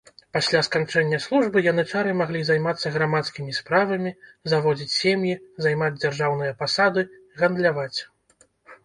Пасля сканчэння службы янычары маглі займацца грамадскімі справамі, заводзіць сем'і, займаць дзяржаўныя пасады, гандляваць.